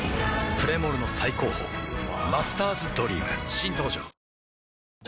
プレモルの最高峰「マスターズドリーム」新登場ワオ柴草Ｄ）